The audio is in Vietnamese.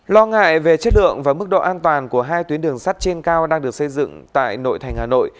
lo ngại về chất lượng và mức độ an toàn của hai tuyến đường sắt trên cao đang được xây dựng tại nội thành hà nội